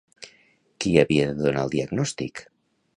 Qui havia de donar el diagnòstic?